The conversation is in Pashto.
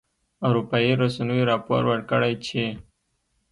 اروپایي رسنیو راپور ورکړی چې